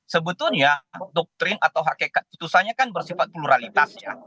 sebetulnya doktrin atau hakikat putusannya kan bersifat pluralitas ya